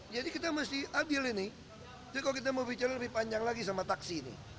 jadi kita mesti adil ini jadi kalau kita mau bicara lebih panjang lagi sama taksi ini